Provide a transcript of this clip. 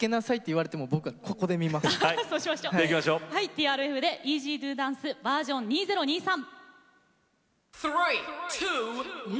ＴＲＦで「ＥＺＤＯＤＡＮＣＥ−Ｖｅｒｓｉｏｎ．２０２３−」。